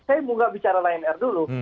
saya moga bicara lion air dulu